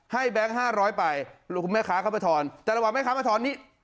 แบงค์๕๐๐ไปหลวงคุณแม่ค้าเข้ามาทอนแต่ระหว่างแม่ค้ามาทอนนี้